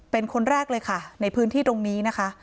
เป็นคนแรกเลยค่ะในพื้นที่ตรงนี้นะคะ